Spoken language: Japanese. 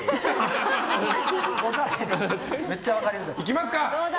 いきますか！